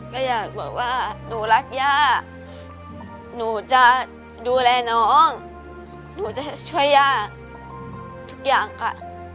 ก็อยากบอกว่าหนูรักย่าหนูจะดูแลน้องหนูจะช่วยย่าทุกอย่างค่ะ